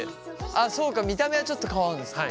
そうか見た目はちょっと変わるんですね。